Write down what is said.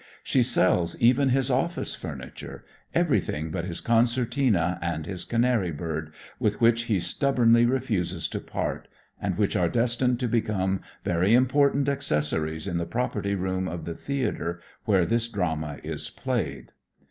She sells even his office furniture, everything but his concertina and his canary bird, with which he stubbornly refuses to part and which are destined to become very important accessories in the property room of the theatre where this drama is played.